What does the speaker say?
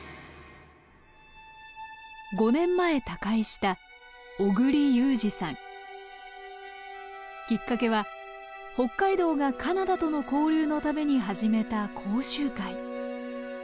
５年前他界したきっかけは北海道がカナダとの交流のために始めた講習会。